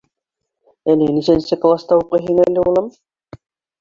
— Әле нисәнсе класта уҡыйһың әле, улым?